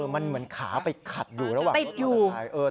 มันเหมือนขาไปขัดอยู่ระหว่างรถมอเตอร์ไซค์